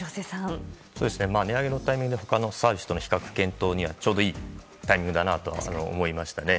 値上げのタイミングって他のサービスとの比較検討にはちょうどいいタイミングだと思いました。